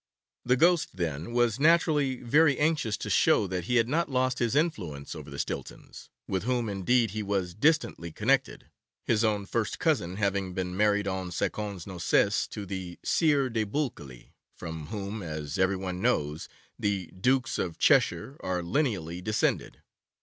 The ghost, then, was naturally very anxious to show that he had not lost his influence over the Stiltons, with whom, indeed, he was distantly connected, his own first cousin having been married en secondes noces to the Sieur de Bulkeley, from whom, as every one knows, the Dukes of Cheshire are lineally descended.